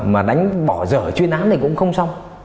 mà đánh bỏ rời chuyến án này cũng không xong